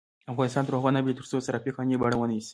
افغانستان تر هغو نه ابادیږي، ترڅو صرافي قانوني بڼه ونه نیسي.